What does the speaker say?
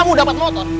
kamu dapat motor